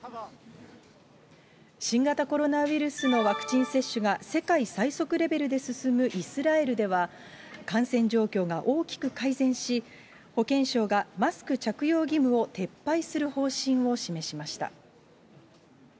新型コロナウイルスのワクチン接種が世界最速レベルで進むイスラエルでは、感染状況が大きく改善し、保健相がマスク着用義務を撤廃する方針を示しました。